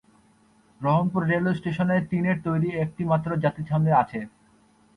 Rohanpur railway স্টেশনে টিনের তৈরি একটি মাত্র যাত্রী ছাউনি আছে।